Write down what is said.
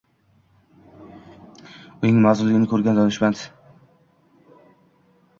Uning mahzunligini ko`rgan donishmand